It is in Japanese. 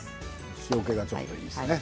塩けがちょっといいですね。